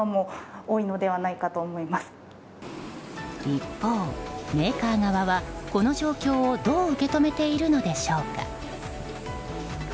一方、メーカー側はこの状況をどう受け止めているのでしょうか。